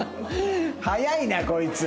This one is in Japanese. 早いなこいつ。